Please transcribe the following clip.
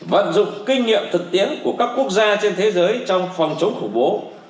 vận dụng kinh nghiệm thực tiễn của các quốc gia trên thế giới trong phòng chống khủng bố